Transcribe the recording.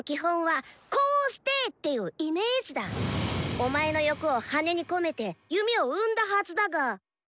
お前の欲を羽根に込めて弓を生んだはずだが。